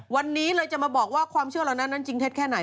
วันนี้เลยจะมาบอกว่าความเชื่อเหล่านั้นจริงเท็จแค่ไหน